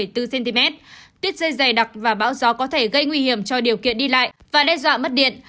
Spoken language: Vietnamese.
tuyết rơi dày đặc và bão gió có thể gây nguy hiểm cho điều kiện đi lại và đe dọa mất điện